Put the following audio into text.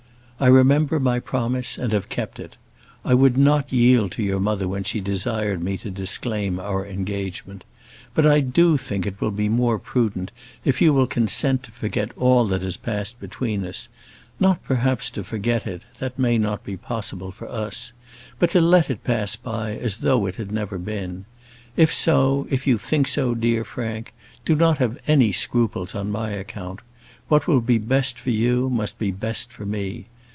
I remember my promise, and have kept it. I would not yield to your mother when she desired me to disclaim our engagement. But I do think it will be more prudent if you will consent to forget all that has passed between us not, perhaps, to forget it; that may not be possible for us but to let it pass by as though it had never been. If so, if you think so, dear Frank, do not have any scruples on my account. What will be best for you, must be best for me.